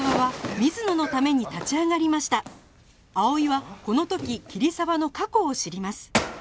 葵はこの時桐沢の過去を知ります